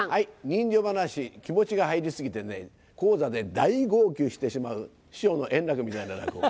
人情噺気持ちが入り過ぎて高座で大号泣してしまう師匠の圓楽みたいな落語。